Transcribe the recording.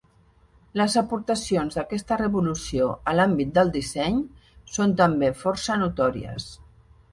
Les aportacions d'aquesta revolució a l'àmbit del disseny són també força notòries.